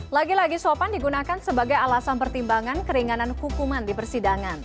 lagi lagi sopan digunakan sebagai alasan pertimbangan keringanan hukuman di persidangan